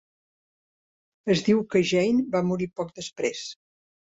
Es diu que Jane va morir poc després.